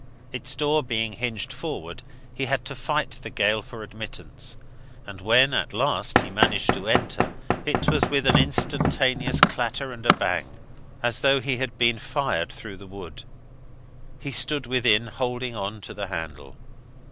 Its door being hinged forward, he had to fight the gale for admittance, and when at last he managed to enter, it was with an instantaneous clatter and a bang, as though he had been fired through the wood. He stood within, holding on to the handle.